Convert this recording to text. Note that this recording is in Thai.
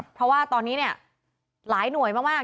เพราะว่าตอนนี้เนี่ยหลายหน่วยมาก